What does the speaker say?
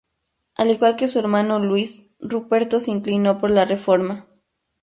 Al igual que su hermano Luis, Ruperto se inclinó por la Reforma.